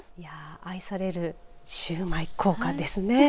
愛されるシューマイ効果ですね。